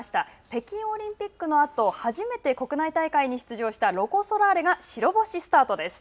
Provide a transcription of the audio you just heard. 北京オリンピックのあと初めて国内大会に出場したロコ・ソラーレが白星スタートです。